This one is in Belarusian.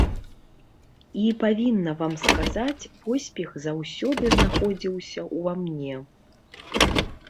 І, павінна вам сказаць, поспех заўсёды знаходзіўся ўва мне.